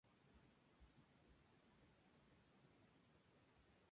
Todas fueron enumeradas en el catálogo de Bartram y en las ediciones siguientes.